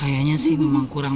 kayaknya sih memang kurang